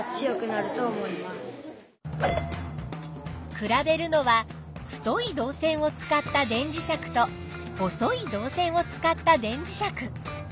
比べるのは太い導線を使った電磁石と細い導線を使った電磁石。